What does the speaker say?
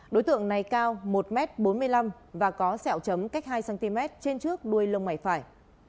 đối tượng này cao một m bốn mươi năm và có sẹo chấm cách hai cm trên trước đuôi lông mày phải